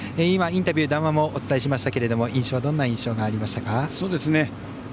インタビュー、談話もお伝えしましたけれどもどんな印象がありましたか？